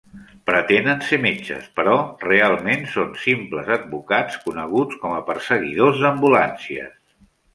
Pretenen ser metges, però realment són simples advocats, coneguts com a "perseguidors d'ambulàncies".